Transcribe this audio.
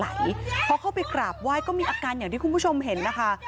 พอเข้าไปกราบไหว้ก็มีอาการอย่างที่คุณผู้ชมเห็นนะคะ